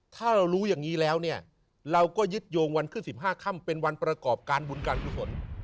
ถ้าเรารู้อย่างนี้แล้วเนี่ยเราก็ยึดโยงวันขึ้น๑๕ค่ำเป็นวันประกอบการบุญการกุศล